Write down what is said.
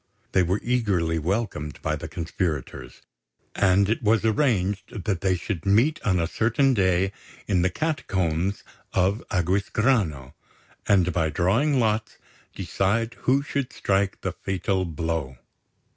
They were eagerly welcomed by the conspirators; and it was arranged that they should meet on a certain day in the Catacombs of Aquisgrano, and, by drawing lots, decide who should strike the fatal blow.